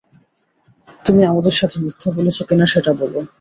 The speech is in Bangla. তুমি আমাদের সাথে মিথ্যে বলেছো কিনা সেটা বলো।